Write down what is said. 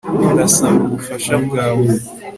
Ndasaba ubufasha bwawe